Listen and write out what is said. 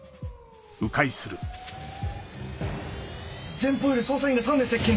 前方より捜査員が３名接近！